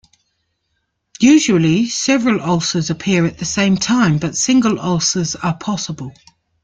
Usually several ulcers appear at the same time, but single ulcers are possible.